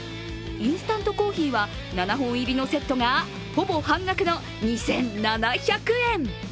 インスタントコーヒーは７本入りのセットが、ほぼ半額の２７００円。